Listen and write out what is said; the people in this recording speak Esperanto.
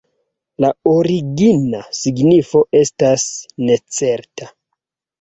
La origina signifo estas necerta.